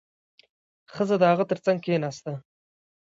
ښځه د هغه تر څنګ کېناسته.